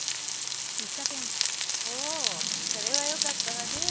そうそれはよかったわね。